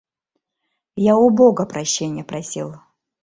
Я у Бога прощения просил.